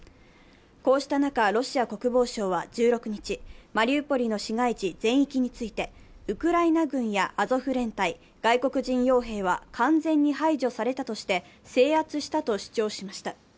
こうした中、ロシア国防省は１６日、マリウポリの市街地全域について、ウクライナ軍やアゾフ連隊、外国人よう兵は完全に排除されたとして制圧したと主張しました。